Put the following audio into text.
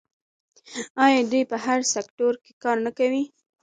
آیا دوی په هر سکتور کې کار نه کوي؟